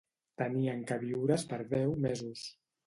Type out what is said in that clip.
Tenien queviures per deu mesos.